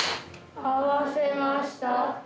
合わせました。